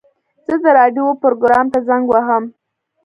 زه د راډیو پروګرام ته زنګ وهم.